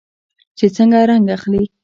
چې څنګه رنګ اخلي.